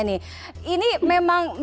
ini memang mbak eva lihat memang salah satu